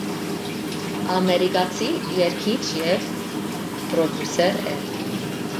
Ամերիկացի երգիչ և պրոդյուսեր է։